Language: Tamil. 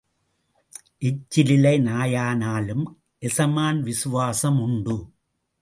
எச்சில் இலை நாயானாலும் எசமான் விசுவாசம் உண்டு.